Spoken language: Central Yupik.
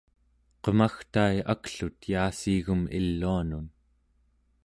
qemagtai aklut yaassiigem iluanun